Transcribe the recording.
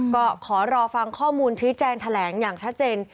ก็ขอรอฟังข้อมูลชี้แจงแถลงอย่างชัดเจน